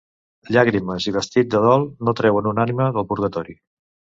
Llàgrimes i vestit de dol no treuen una ànima del purgatori.